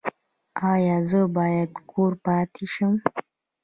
ایا زه باید کور پاتې شم؟